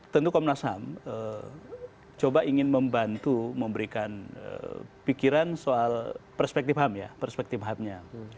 tentu komnas ham coba ingin membantu memberikan pikiran soal perspektif ham ya perspektif hamnya